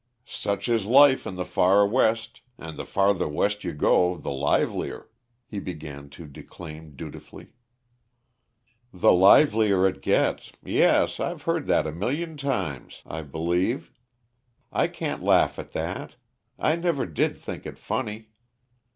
"Such is life in the far West and the farther West you go, the livelier " he began to declaim dutifully. "The livelier it gets. Yes, I've heard that a million tunes, I believe. I can't laugh at that; I never did think it funny."